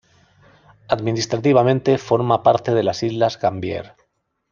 Administrativamente, forma parte de las islas Gambier.